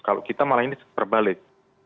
kalau kita malah ini terbalik